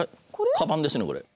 かばんですねこれ。